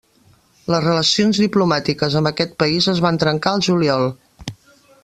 Les relacions diplomàtiques amb aquest país es van trencar el juliol.